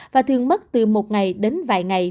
và thường mất từ một ngày đến vài ngày